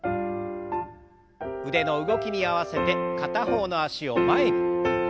腕の動きに合わせて片方の脚を前に。